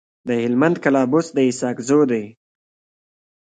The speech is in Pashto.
د هلمند کلابست د اسحق زو دی.